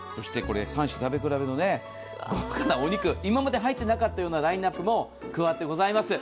３種食べ比べのお肉、今まで入ってなかったようなラインナップも加わってございます。